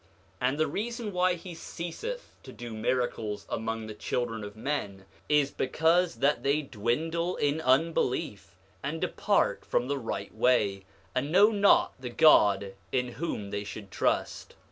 9:20 And the reason why he ceaseth to do miracles among the children of men is because that they dwindle in unbelief, and depart from the right way, and know not the God in whom they should trust.